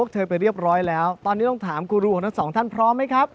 เธอไปเรียบร้อยแล้วตอนนี้ต้องถามครูรูของทั้งสองท่านพร้อมไหมครับ